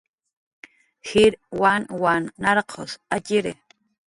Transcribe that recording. Jir wanwan narqus atx'iri